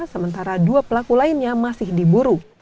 sementara dua pelaku lainnya masih diburu